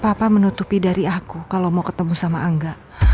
papa menutupi dari aku kalau mau ketemu sama angga